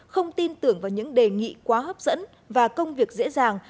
không tin tưởng vào những đề nghị quá hấp dẫn và công việc dễ dàng